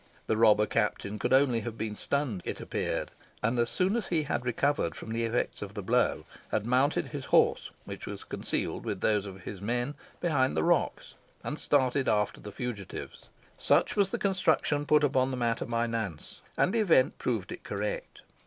The robber captain could only have been stunned, it appeared; and, as soon as he had recovered from the effects of the blow, had mounted his horse, which was concealed, with those of his men, behind the rocks, and started after the fugitives. Such was the construction put upon the matter by Nance, and the event proved it correct.